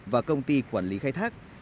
và công ty quản lý khai thác